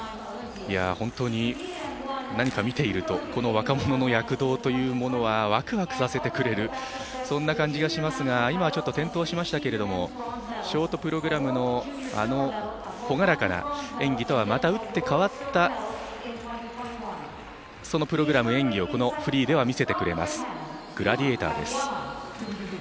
本当に見ているとこの若者の躍動というものはわくわくさせてくれるそんな感じがしますが今はちょっと転倒しましたけれども、ショートプログラムのあの朗らかな演技とはまた打って変わったプログラム、演技をこのフリーでは見せてくれます「グラディエーター」です。